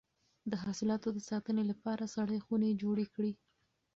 د حاصلاتو د ساتنې لپاره سړې خونې جوړې کړئ.